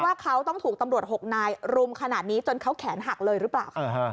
ว่าเขาต้องถูกตำรวจ๖นายรุมขนาดนี้จนเขาแขนหักเลยหรือเปล่า